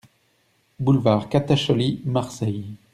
Boulevard Catacholi, Marseille